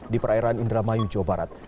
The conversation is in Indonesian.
di perairan indramayu jawa barat